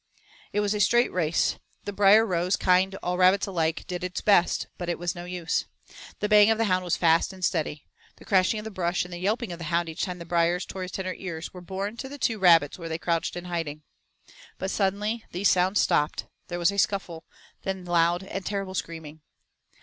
It was a straight race. The brierrose, kind to all rabbits alike, did its best, but it was no use. The baying of the hound was fast and steady. The crashing of the brush and the yelping of the hound each time the briers tore his tender ears were borne to the two rabbits where they crouched in hiding. But suddenly these sounds stopped, there was a scuffle, then loud and terrible screaming.